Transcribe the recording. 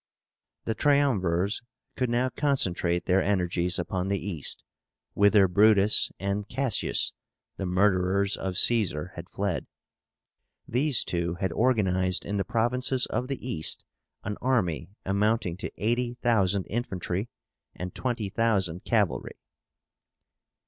The Triumvirs could now concentrate their energies upon the East, whither BRUTUS and CASSIUS, the murderers of Caesar, had fled. These two had organized in the provinces of the East an army amounting to 80,000 infantry and 20,000 cavalry.